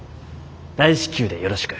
大至急でよろしく。